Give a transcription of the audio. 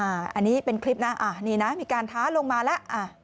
อันนี้เป็นคลิปนะนี่นะมีการท้าลงมาแล้ว